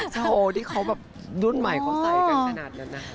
โชว์ที่เขาแบบรุ่นใหม่เขาใส่กันขนาดนั้นนะ